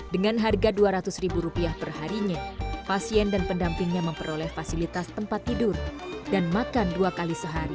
dengan harga dua ratus ribu rupiah perharinya pasien dan pendampingnya memperoleh fasilitas tempat tidur dan makan dua kali sehari